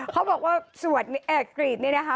เขาบอกว่ากรีดนี้นะคะ